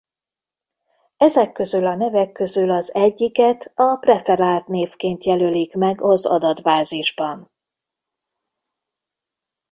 Ezek közül a nevek közül az egyiket a preferált névként jelölik meg az adatbázisban.